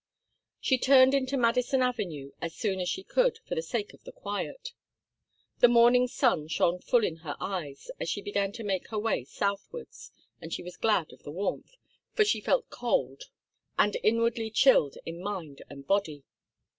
She turned into Madison Avenue as soon as she could, for the sake of the quiet. The morning sun shone full in her eyes as she began to make her way southwards, and she was glad of the warmth, for she felt cold and inwardly chilled in mind and body.